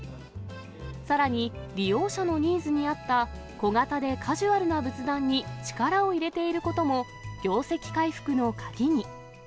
さらに、利用者のニーズに合った小型でカジュアルな仏壇に力を入れていることも、業績回復の鍵に。